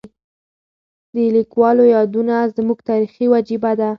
د لیکوالو یادونه زموږ تاریخي وجیبه ده.